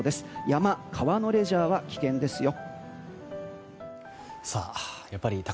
山、川のレジャーは危険ですよ。